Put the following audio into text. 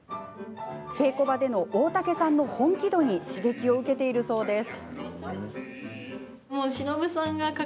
稽古場での大竹さんの本気度に刺激を受けているそうです。